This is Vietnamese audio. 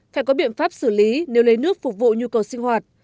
phải có biện pháp xử lý nếu lấy nước phục vụ nhu cầu sinh hoạt